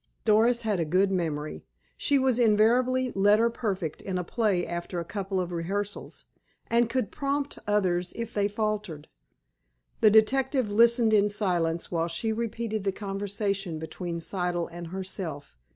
Doris had a good memory. She was invariably letter perfect in a play after a couple of rehearsals, and could prompt others if they faltered. The detective listened in silence while she repeated the conversation between Siddle and herself.